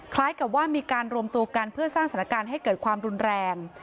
คล้ายกับว่ามีการรวมตัวกันเพื่อสร้างสถานการณ์ให้เกิดความรุนแรง